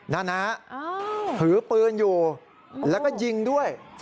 นั่นนะฮะถือปืนอยู่แล้วก็ยิงด้วย